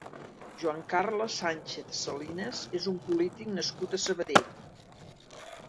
Joan Carles Sánchez Salinas és un polític nascut a Sabadell.